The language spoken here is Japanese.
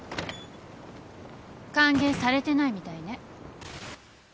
歓迎されてないみたいね。